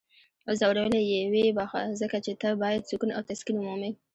ځورولی یی یې؟ ویې بخښه. ځکه چی ته باید سکون او تسکین ومومې!